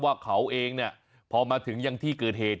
ว่าเขาเองเนี่ยพอมาถึงยังที่เกิดเหตุ